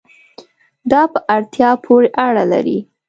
دا په اړتیا پورې اړه لري